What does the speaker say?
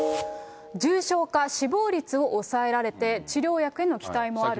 重症化、死亡率を抑えられて、治療薬への期待もあると。